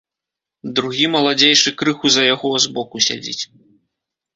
Другі, маладзейшы крыху за яго, збоку сядзіць.